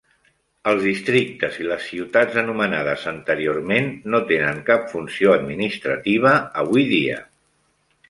Els districtes i les ciutats anomenades anteriorment no tenen cap funció administrativa avui dia.